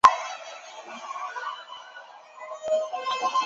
死于任上。